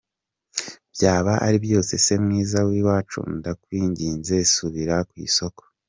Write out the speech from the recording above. Byaba ari byo se mwiza w’iwacu, ndakwinginze subira ku isoko.